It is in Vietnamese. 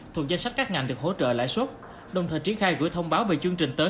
thuộc danh sách các ngành được hỗ trợ lãi suất đồng thời triển khai gửi thông báo về chương trình tới